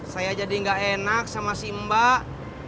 saya jadi gak enak sama si mbak